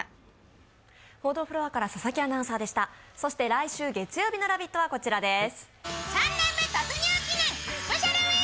来週月曜日の「ラヴィット！」はこちらです。